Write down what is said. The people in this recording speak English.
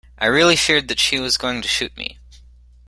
I really feared that she was going to shoot me.